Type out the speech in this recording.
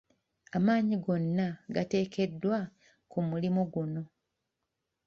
Amaanyi gonna g’atekeddwa ku omulimu guno.